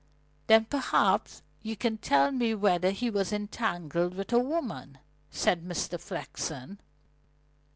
"Then perhaps you can tell me whether he was entangled with a woman," said Mr. Flexen.